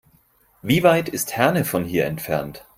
Wie weit ist Herne von hier entfernt?